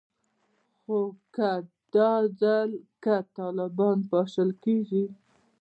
خو که دا ځل که طالبان پاشل کیږي